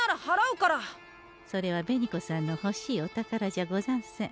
それは紅子さんのほしいお宝じゃござんせん。